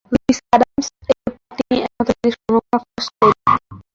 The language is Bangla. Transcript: লুইসা অ্যাডামস এর পর তিনিই একমাত্র বিদেশে জন্মগ্রহণ করা ফার্স্ট লেডি।